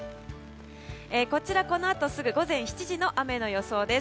こちら、このあとすぐ午前７時の雨の予想です。